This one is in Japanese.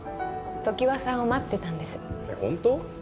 常盤さんを待ってたんですえっホント？